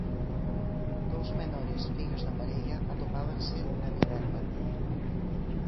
Dous menores, fillos da parella, atopábanse na vivenda.